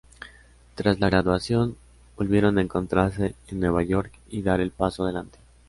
Tras la graduación, volvieron a encontrarse en Nueva York y dar el paso adelante.